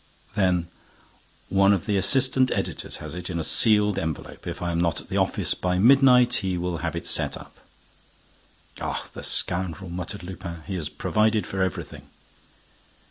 "Then—" "One of the assistant editors has it, in a sealed envelope. If I am not at the office by midnight, he will have set it up." "Oh, the scoundrel!" muttered Lupin. "He has provided for everything!"